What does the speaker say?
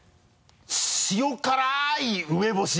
塩からい梅干し。